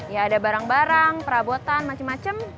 ya ada barang barang perabotan macem macem